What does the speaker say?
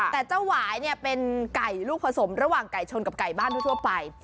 แต่เจ้าหวายเนี่ยเป็นไก่ลูกผสมระหว่างไก่ชนกับไก่บ้านทั่วไป